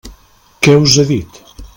Què us ha dit?